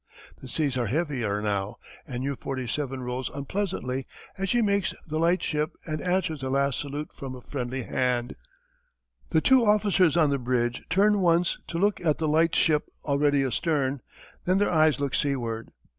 The seas are heavier now, and U 47 rolls unpleasantly as she makes the light ship and answers the last salute from a friendly hand. The two officers on the bridge turn once to look at the light ship already astern, then their eyes look seaward.